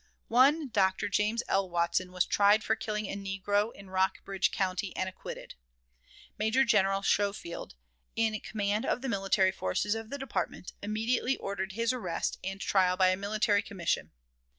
One Dr. James L. Watson was tried for killing a negro in Rockbridge County, and acquitted. Major General Schofield, in command of the military forces of the department, immediately ordered his arrest and trial by a military commission.